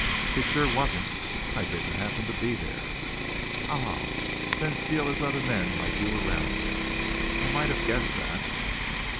"It sure wasn't. I didn't happen to be there." "Ah! Then Steele has other men like you around him. I might have guessed that."